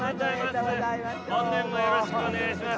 本年もよろしくお願いいします。